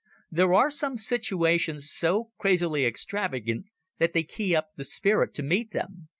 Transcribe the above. There are some situations so crazily extravagant that they key up the spirit to meet them.